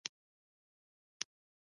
پاچا تل هيواد په خطر کې اچوي .